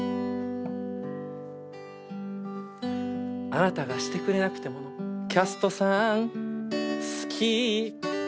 「『あなたがしてくれなくても』のキャストさん好き」